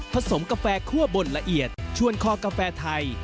สมกาแฟคั่วบนละเอียดชวนคอกาแฟไทย